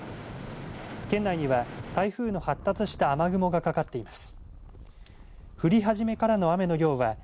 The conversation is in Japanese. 県内には台風の発達した雨雲がかかっています。